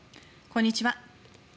こんにちは。